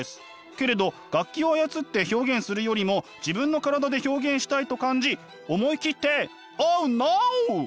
けれど楽器を操って表現するよりも自分の体で表現したいと感じ思い切ってオーノー！